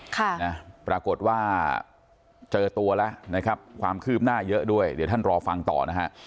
ค่ะนะปรากฏว่าเจอตัวแล้วนะครับความคืบหน้าเยอะด้วยเดี๋ยวท่านรอฟังต่อนะฮะ